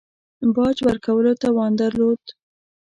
باج ورکولو توان درلود.